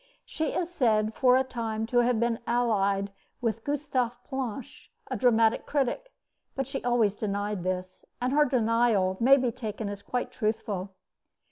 She is said for a time to have been allied with Gustave Planche, a dramatic critic; but she always denied this, and her denial may be taken as quite truthful.